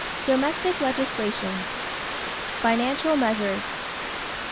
DOMESTIC LEGISLATION =Financial Measures.